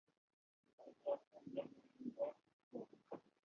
এটি একটি মিড-রেঞ্জের ফোন।